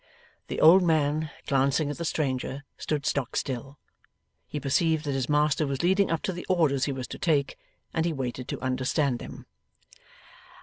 The old man, glancing at the stranger, stood stock still. He perceived that his master was leading up to the orders he was to take, and he waited to understand them.